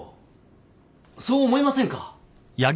そう思いませんか？